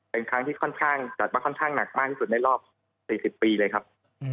เป็นครั้งที่ค่อนข้างจัดว่าค่อนข้างหนักมากที่สุดในรอบ๔๐ปีเลยครับ